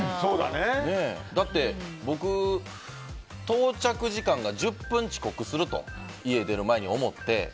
だって、僕、到着時間が１０分遅刻すると家、出る前に思って。